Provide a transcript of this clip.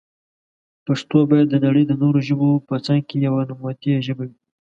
پښتو بايد دنړی د نورو ژبو په څنګ کي يوه نوموتي ژبي وي.